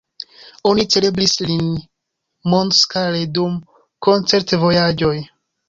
Oni celebris lin mondskale dum koncert-vojaĝoj.